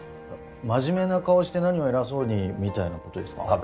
真面目な顔して何を偉そうにみたいなことですか？